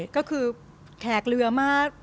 ก็คือแขกเรือมาก